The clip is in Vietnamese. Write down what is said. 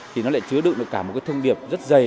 thì nó lại chứa được cả một cái thương điệp rất dày